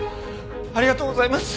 ありがとうございます。